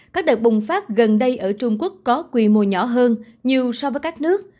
các đợt bùng phát gần đây ở trung quốc có quy mô nhỏ hơn nhiều so với các nước